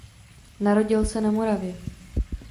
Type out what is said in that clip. Narodil se na Moravě.